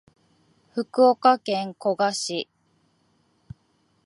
福岡県古賀市